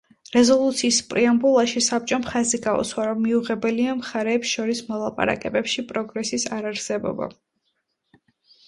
რეზოლუციის პრეამბულაში, საბჭომ ხაზი გაუსვა, რომ მიუღებელია მხარეებს შორის მოლაპარაკებებში პროგრესის არარსებობა.